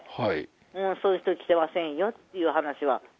もう、そういう人は来てませんよという話は。